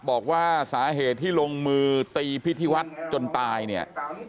บอกว่าสาเหตุที่ลงมือตีพิธีวัฒน์จนตายเนี่ย